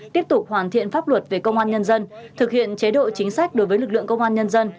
tiếp tục hoàn thiện pháp luật về công an nhân dân thực hiện chế độ chính sách đối với lực lượng công an nhân dân